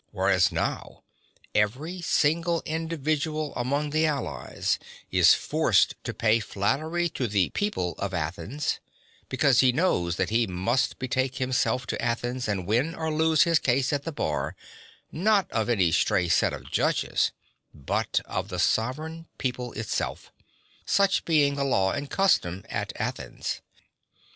Whereas now every single individual among the allies is forced to pay flattery to the People of Athens because he knows that he must betake himself to Athens and win or lose (48) his case at the bar, not of any stray set of judges, but of the sovereign People itself, such being the law and custom at Athens.